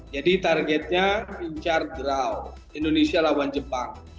jadi targetnya pinjar draw indonesia lawan jepang